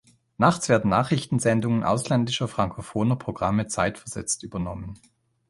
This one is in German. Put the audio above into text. Nachts werden Nachrichtensendungen ausländischer frankophoner Programme zeitversetzt übernommen.